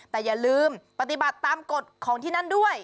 แต่อย่าลืมปฏิบัติตามกฎของที่นั่นด้วย